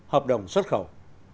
hợp đồng xuất khẩu